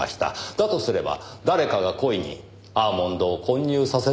だとすれば誰かが故意にアーモンドを混入させたと考えられます。